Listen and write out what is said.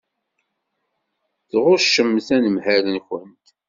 Tɣuccemt anemhal-nkent.